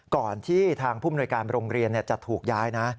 ก่อนที่ทางผู้มนวยการโรงเรียนจะถูกย้ายนะ